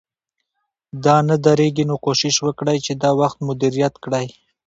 دا نه درېږي، نو کوشش وکړئ چې دا وخت مدیریت کړئ